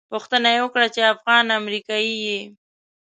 پوښتنه یې وکړه چې افغان امریکایي یې.